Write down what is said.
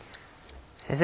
先生